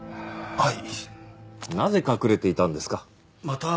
はい。